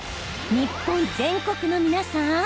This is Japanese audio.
日本全国の皆さん。